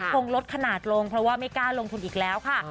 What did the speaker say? คงลดขนาดลงเพราะว่าไม่กล้าลงทุนอีกแล้วค่ะ